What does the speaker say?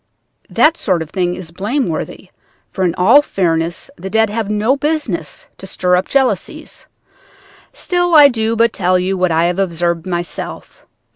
"That sort of thing is blameworthy, for in all fairness the dead have no business to stir up jealousies. Still I do but tell you what I have observed myself.